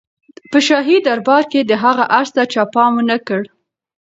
په شاهي دربار کې د هغه عرض ته چا پام ونه کړ.